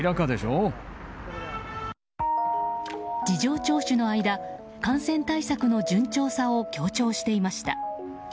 事情聴取の間感染対策の順調さを強調していました。